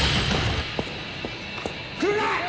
来るな！